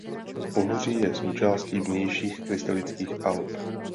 Pohoří je součástí Vnějších krystalických Alp.